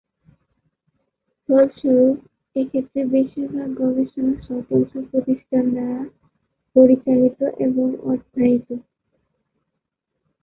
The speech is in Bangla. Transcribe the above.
ফলস্বরূপ, এক্ষেত্রে বেশিরভাগ গবেষণা স্বতন্ত্র প্রতিষ্ঠান দ্বারা পরিচালিত এবং অর্থায়িত।